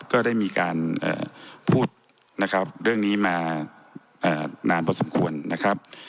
ก็ได้มีการพูดนะครับเรื่องนี้มานานพอสมควรนะครับ